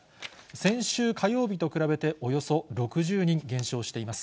先週火曜日と比べて、およそ６０人減少しています。